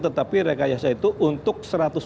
tetapi rekayasa itu untuk